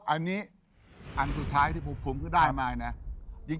อันนี้อันสุดท้ายที่ผมคุ้มได้มาเนี่ย